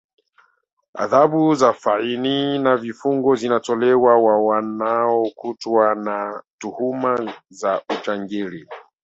adhabu za faini na vifungo zinatolewa wa wanaokutwa na tuhuma za ujangili